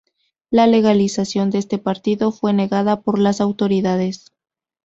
La legalización de este partido fue negada por las autoridades.